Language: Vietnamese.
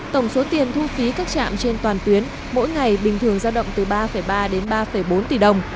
tổng số tiền thu phí các trạm trên toàn tuyến mỗi ngày bình thường ra động từ ba ba đến ba bốn tỷ đồng